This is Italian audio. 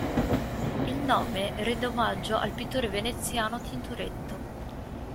Il nome rende omaggio al pittore veneziano Tintoretto.